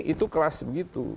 itu kelas begitu